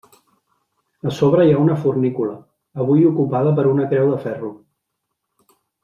A sobre hi ha una fornícula, avui ocupada per una creu de ferro.